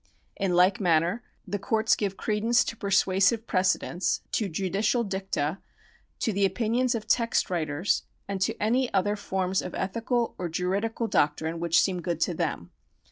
In like manner the courts give credence to persuasive pre cedents, to judicial dicta, to the opinions of text writers, and to any other forms of ethical or juridical doctrine which seem good to them.